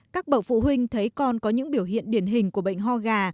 các bậc phụ huynh thấy con có những biểu hiện điển hình của bệnh ho gà